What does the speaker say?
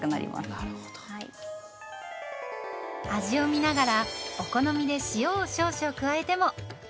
味を見ながらお好みで塩を少々加えても。